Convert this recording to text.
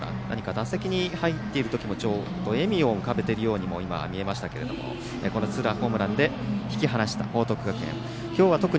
打席に入っているときも笑みも浮かべているようにも見えましたけどツーランホームランで引き離した報徳学園。